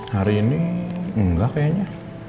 hari ini nggak kayaknya